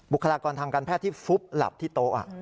คลากรทางการแพทย์ที่ฟุบหลับที่โต๊ะ